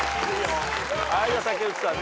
はいじゃあ竹内さん。